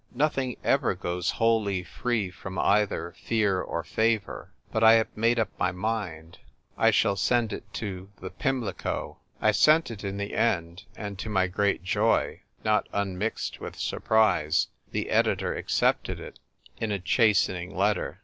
Nothing ever goes wholly free from either fear or favour. But I have made up my mind. I shall send it to The Pimlico.'" I sent it in the end ; and, to my great joy, not unmixed with surprise, the editor ac cepted it, in a chastening letter.